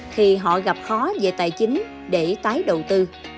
khi họ gặp khó về tài chính để tái đầu tư